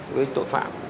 với tội phạm